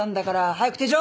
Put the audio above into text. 早く手錠！